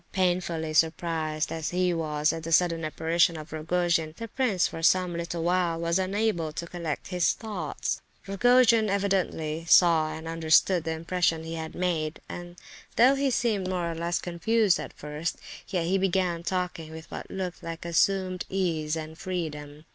Painfully surprised as he was at this sudden apparition of Rogojin, the prince, for some little while, was unable to collect his thoughts. Rogojin, evidently, saw and understood the impression he had made; and though he seemed more or less confused at first, yet he began talking with what looked like assumed ease and freedom.